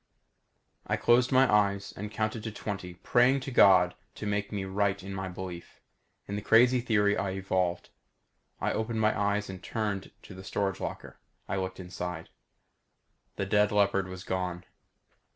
I closed my eyes and counted to twenty praying to God to make me right in my belief in the crazy theory I evolved. I opened my eyes and turned to the storage locker. I looked inside. The dead leopard was gone.